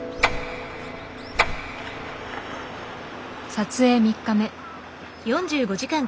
撮影３日目。